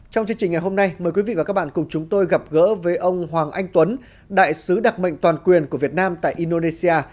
trong chương trình ngày hôm nay mời quý vị và các bạn cùng chúng tôi gặp gỡ với ông hoàng anh tuấn đại sứ đặc mệnh toàn quyền của việt nam tại indonesia